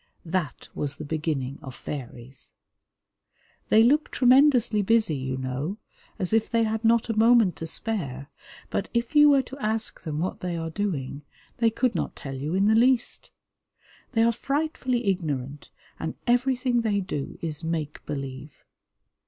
That was the beginning of fairies. They look tremendously busy, you know, as if they had not a moment to spare, but if you were to ask them what they are doing, they could not tell you in the least. They are frightfully ignorant, and everything they do is make believe.